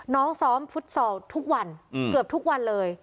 น้องซ้อมฟุตซอลทุกวันเกือบทุกวันเลย